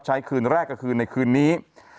ใช้คืนแรกกระคืนในคืนนี้